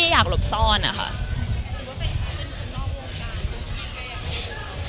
มันคิดว่าจะเป็นรายการหรือไม่มี